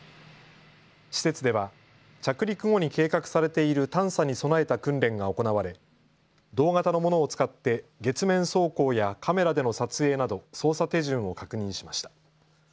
施設では着陸後に計画されている探査に備えた訓練が行われ同型のものを使って月面走行やカメラでの撮影など操作手順を確認しました。